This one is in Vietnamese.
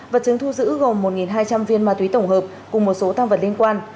vật chứng thu giữ gồm một hai trăm linh viên ma túy tổng hợp cùng một số tăng vật liên quan